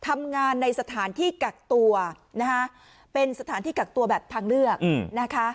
ทำงานในสถานที่กักตัวนะคะเป็นสถานที่กักตัวแบบทางเลือกนะคะ